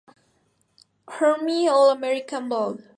Army All-American Bowl.